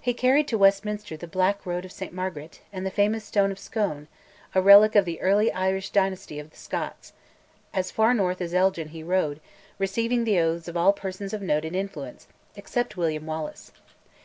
He carried to Westminster the Black Rood of St Margaret and the famous stone of Scone, a relic of the early Irish dynasty of the Scots; as far north as Elgin he rode, receiving the oaths of all persons of note and influence except William Wallace.